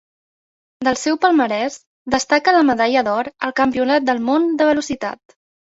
Del seu palmarès destaca la medalla d'or al Campionat del món de velocitat.